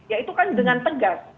ya itu kan dengan tegas